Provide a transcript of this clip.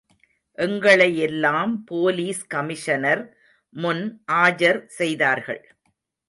எங்களையெல்லாம் police commissioner முன் ஆஜர் செய்தார்கள்.